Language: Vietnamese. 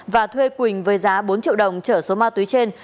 và thuê quỳnh với giá bốn triệu đồng trở số ma túy trên